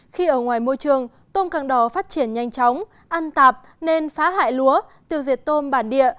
khi ở ngoài môi trường tôm càng đỏ phát triển nhanh chóng ăn tạp nên phá hại lúa tiêu diệt tôm bản địa